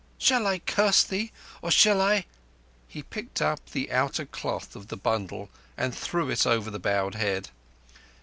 "Shall I curse thee, or shall I—" He picked up the outer cloth of the bundle and threw it over the bowed head.